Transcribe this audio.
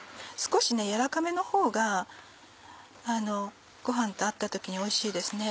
少しやわらかめのほうがご飯と合った時においしいです。